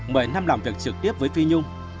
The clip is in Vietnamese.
mấy năm làm việc trực tiếp với phi nhung